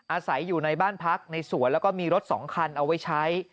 อาศัยอยู่ในบ้านพักในสวนแล้วก็มีรถสองคันเอาไว้ใช้